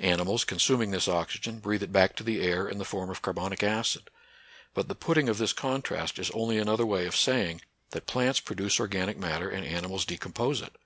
Animals, consuming this oxygen, breathe it back to the air in the form of carbonic acid. But the putting of this contrast is only another way of saying that NATURAL SCIENCE AND RELIGION. 25 plants produce organic matter and animals de compose it.